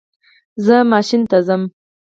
زه ماشین ته ځم